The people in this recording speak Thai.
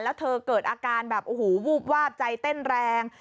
แล้วเธอเกิดอาการแบบโอ้โหวูบวาบใจเต้นแรง